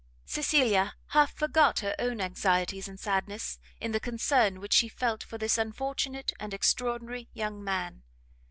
Cecilia half forgot her own anxieties and sadness, in the concern which she felt for this unfortunate and extraordinary young man.